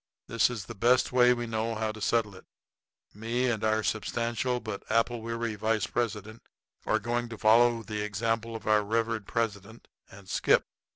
This is the best way we know how to settle it. Me and our substantial but apple weary vice president are going to follow the example of our revered president, and skip.